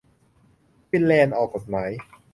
ฟินแลนด์ออกกฎหมาย